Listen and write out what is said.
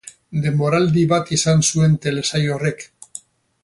Denboraldi bat izan zuen telesail horrek.